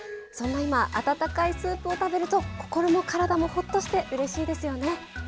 そんな今温かいスープを食べると心も体もほっとしてうれしいですよね！